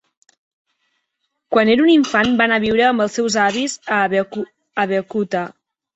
Quan era un infant va anar a viure amb els seus avis a Abeokuta.